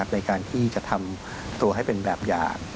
ในการที่จะทำตัวให้เป็นแบบอย่าง